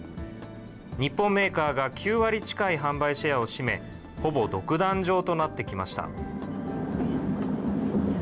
日本メーカーが９割近い販売シェアを占め、ほぼ独壇場となってきました。